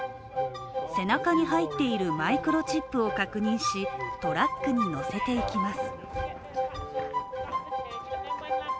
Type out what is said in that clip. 背中に入っているマイクロチップを確認しトラックに乗せていきます。